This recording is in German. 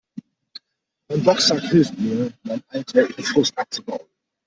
Mein Boxsack hilft mir, meinen alltäglichen Frust abzubauen.